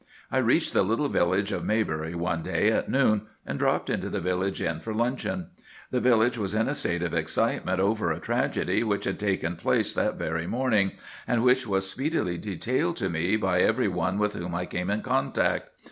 I reached the little village of Maybury one day at noon, and dropped into the village inn for luncheon. The village was in a state of excitement over a tragedy which had taken place that very morning, and which was speedily detailed to me by every one with whom I came in contact.